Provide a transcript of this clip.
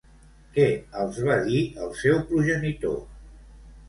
Què els va dir el seu progenitor?